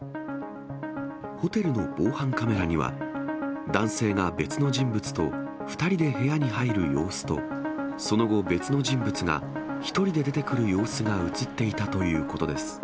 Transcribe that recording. ホテルの防犯カメラには、男性が別の人物と２人で部屋に入る様子と、その後、別の人物が１人で出てくる様子が写っていたということです。